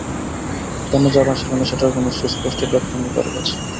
কেন জানা ছিল না, সেটার কোনো সুস্পষ্ট ব্যাখ্যা নেই কারও কাছেই।